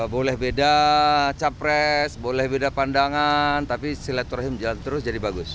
boleh beda capres boleh beda pandangan tapi silaturahim jalan terus jadi bagus